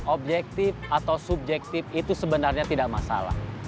objektif atau subjektif itu sebenarnya tidak masalah